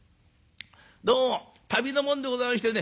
どうも旅の者でございましてね